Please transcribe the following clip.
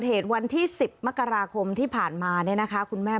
กลายเป็นอบติตอตำรวจไปแล้ว